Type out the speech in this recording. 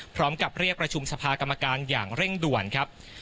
พร้อมกับเรียกประชุมสภากรรมการอย่างเร่งด่วนครับ